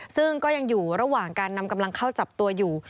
ซึ่งก็ยังอยู่ระหว่างการนำกำลังเข้าจับตัวอยู่